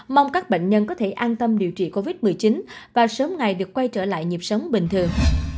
mong các bệnh nhân có thể an tâm điều trị covid một mươi chín và sớm ngày được quay trở lại nhịp sống bình thường